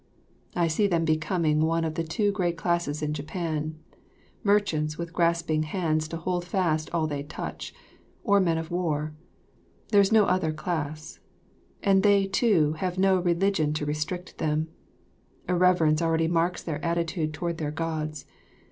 I see them becoming one of the two great classes in Japan merchants with grasping hands to hold fast all they touch, or men of war. There is no other class. And, too, they have no religion to restrict them, irreverence already marks their attitude toward their gods.